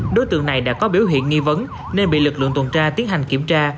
đối tượng này đã có biểu hiện nghi vấn nên bị lực lượng tuần tra tiến hành kiểm tra